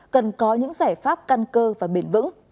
cần có những giải pháp căn cơ và bền vững